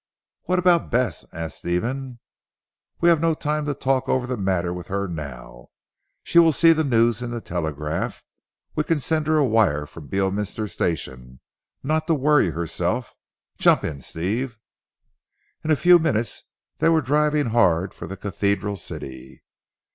"What about Bess?" asked Stephen. "We have no time to talk over the matter with her now. She will see the news in the 'Telegraph.' We can send her a wire from Beorminster station, not to worry herself. Jump in Steve." In a few minutes they were driving hard for the cathedral city.